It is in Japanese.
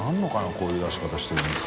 こういう出し方してる店。